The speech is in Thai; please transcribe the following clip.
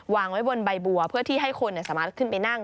วางไว้บนใบบัวเพื่อที่ให้คนสามารถขึ้นไปนั่ง